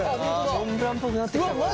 モンブランっぽくなってきたこれ。